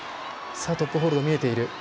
トップホールドが見えている。